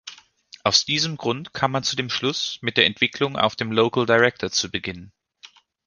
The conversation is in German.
Aus diesem Grund kam man zu dem Schluss, mit der Entwicklung auf dem LocalDirector zu beginnen.